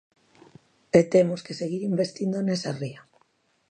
E temos que seguir investindo nesa ría.